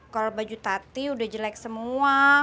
kalau baju tati udah jelek semua